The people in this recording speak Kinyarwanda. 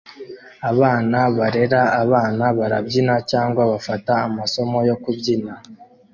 abana barera abana barabyina cyangwa bafata amasomo yo kubyina